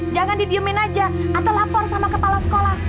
jangan didiemin aja atau lapor sama kepala sekolah